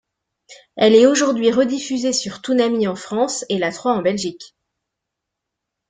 Elle est aujourd'hui rediffusée sur Toonami en France et La Trois en Belgique.